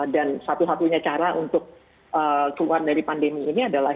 dan satu satunya cara untuk keluar dari pandemi ini adalah